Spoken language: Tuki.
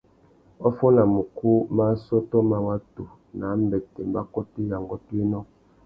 Wa fôna mukú má assôtô má watu nà ambêtê, mbakôtéya, ngôtōénô.